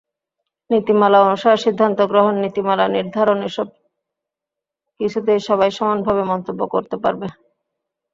নীতিমালা অনুসারে সিদ্ধান্ত গ্রহণ, নীতিমালা নির্ধারন এসব কিছুতেই সবাই সমানভাবে মন্তব্য করতে পারবে।